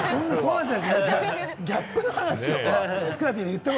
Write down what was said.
ギャップの話よ？